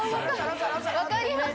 分かります！